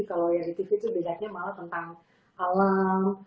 kalau yang di tv itu bedanya malah tentang alam